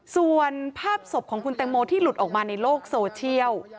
ส่วนภาพศพของคุณแตงโมที่หลุดออกมาในโลกโซเชียล